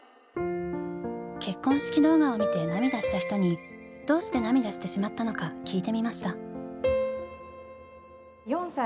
結婚式動画を見て涙した人にどうして涙してしまったのか聞いてみました。